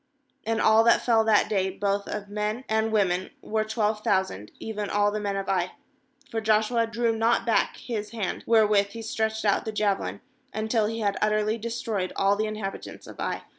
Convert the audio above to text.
^And all that fell that day, both of men and women, were twelve thousand, even all the men of Ai. 26For Joshua drew not back his hand, wherewith he stretched out the jave lin, until he had utterly destroyed all the inhabitants of Ai.